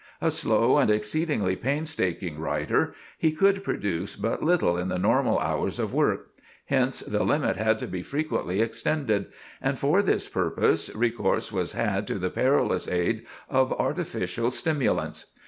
A slow and exceedingly painstaking writer, he could produce but little in the normal hours of work; hence, the limit had to be frequently extended; and, for this purpose, recourse was had to the perilous aid of artificial stimulants.